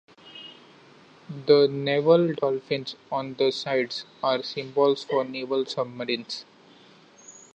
The naval dolphins on the sides are symbols for naval submarines.